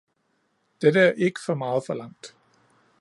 Dette er ikke for meget forlangt.